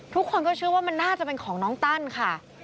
ทุกคนก็เชื่อว่ามันน่าจะเป็นของน้องตั้นค่ะ